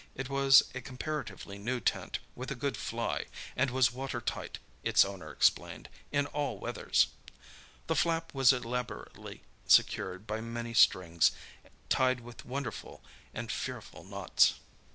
It was a comparatively new tent, with a good fly, and was watertight, its owner explained, in all weathers. The flap was elaborately secured by many strings, tied with wonderful and fearful knots.